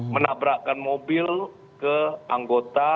menabrakkan mobil ke anggota